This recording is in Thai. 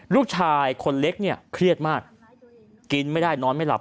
ลูกชายคนเล็กเนี่ยเครียดมากกินไม่ได้นอนไม่หลับ